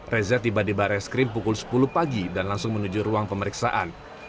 reza tiba di barreskrim pukul sepuluh pagi dan langsung menuju ruang pemeriksaan